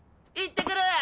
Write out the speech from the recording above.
行ってくる！